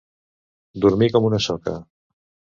Dormir com una soca.